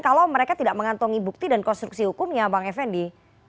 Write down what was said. kalau mereka tidak mengantongi bukti dan konstruksi hukumnya bang effendi